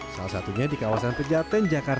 salah satunya di kawasan pejaten jakarta